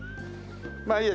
まあいいや。